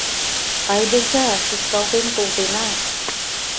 Айдыза шӱшкалтен колтена!